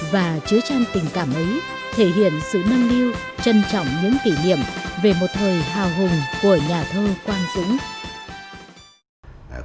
và chứa trang tình cảm ấy thể hiện sự nâng niu trân trọng những kỷ niệm về một thời hào hùng của nhà thơ quang dũng